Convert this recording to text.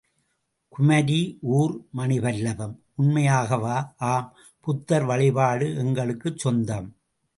குமரி!.... ஊர்? மணிபல்லவம்? உண்மையாகவா? ஆம் புத்தர் வழிபாடு எங்களுக்குச் சொந்தம்.